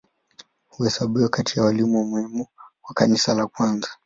Huhesabiwa kati ya walimu muhimu wa Kanisa la kwanza.